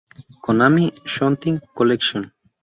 Konami Shooting Collection